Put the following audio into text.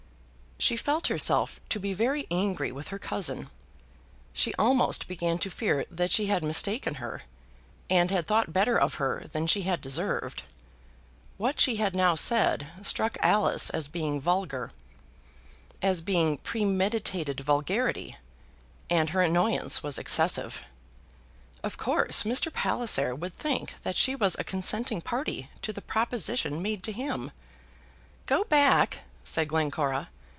She felt herself to be very angry with her cousin. She almost began to fear that she had mistaken her, and had thought better of her than she had deserved. What she had now said struck Alice as being vulgar, as being premeditated vulgarity, and her annoyance was excessive. Of course Mr. Palliser would think that she was a consenting party to the proposition made to him. "Go back!" said Glencora.